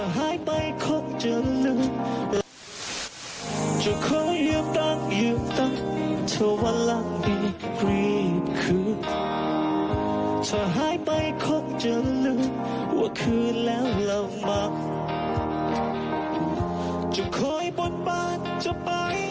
ขอให้ปีอีกงานให้โควิดหาย